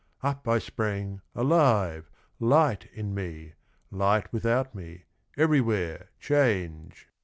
Up I sprang alive, Light in me, light without me, everywhere Change